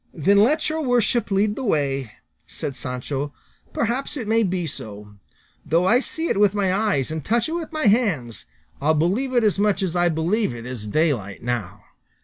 "Then let your worship lead the way," said Sancho, "perhaps it may be so; though I see it with my eyes and touch it with my hands, I'll believe it as much as I believe it is daylight now."